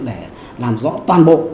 để làm rõ toàn bộ